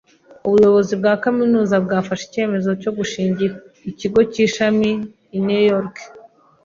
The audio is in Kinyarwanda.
Ubuyobozi bwa kaminuza bwafashe icyemezo cyo gushinga ikigo cy’ishami i New York.